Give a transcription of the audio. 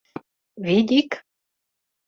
— Видик?